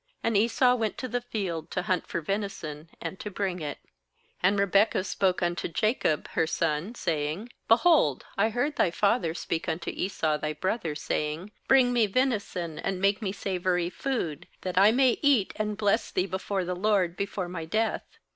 And Esau went to the field to hunt for venison, and to bring it. 6And Rebekah spoke unto Jacob her son, saying: 'Behold, I heard thy father speak unto Esau thy brother, saying: 7Bring me venison, and make me savoury food, that I may eat, and bless thee before the LORD before my death.